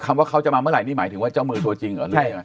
คำว่าเขาจะมาเมื่อไหร่นี่หมายถึงว่าเจ้ามือตัวจริงเหรอใช่